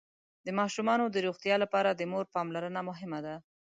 د ماشومانو د روغتيا لپاره د مور پاملرنه مهمه ده.